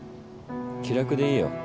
気楽でいいよ。